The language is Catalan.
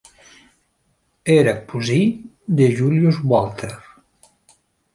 Era cosí de Julius Walter.